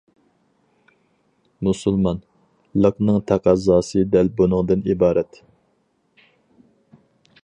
«مۇسۇلمان» لىقنىڭ تەقەززاسى دەل بۇنىڭدىن ئىبارەت.